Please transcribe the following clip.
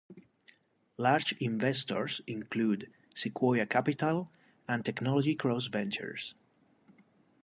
Large investors include Sequoia Capital and Technology Cross Ventures.